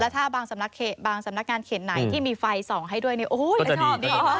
แล้วถ้าบางสำนักงานเข็นไหนที่มีไฟส่องให้ด้วยโอ้โฮชอบดี